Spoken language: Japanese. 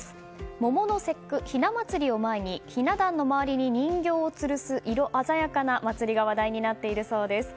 桃の節句、雛祭りを前に雛段の周りに人形をつるす色鮮やかな祭りが話題になっているそうです。